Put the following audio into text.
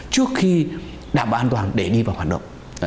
trước khi đảm bảo an toàn để đi vào hoạt động